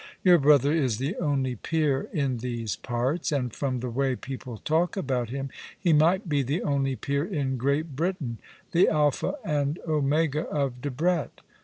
Your brother is the only peer in these parts, and from the way people talk about him he might be the only j)eer in Great Britain — the Alpha and Omega of Debrett.